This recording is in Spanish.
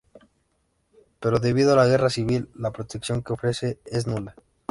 Pero debido a la guerra civil, la protección que ofrecen es nula.